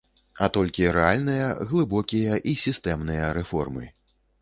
А толькі рэальныя, глыбокія і сістэмныя рэформы.